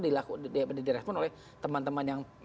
dilakukan direspon oleh teman teman yang